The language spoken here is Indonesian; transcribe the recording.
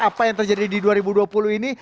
apa yang terjadi di dua ribu dua puluh ini